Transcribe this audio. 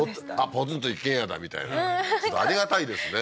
ポツンと一軒家だみたいなありがたいですね